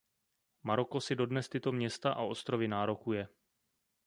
Maroko si dodnes tyto města a ostrovy nárokuje.